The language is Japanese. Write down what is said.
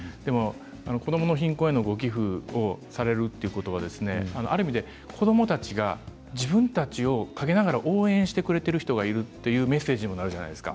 子どもの貧困へのご寄付をされるということはある意味で子どもたちが自分たちを陰ながら応援してくれている人がいるというメッセージにもなるじゃないですか。